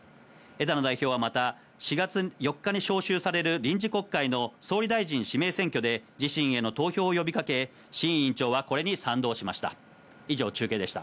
枝野代表はまた４日に召集される臨時国会の総理大臣指名選挙で、自身への投票を呼びかけ、志位委員長はこれに賛同しました。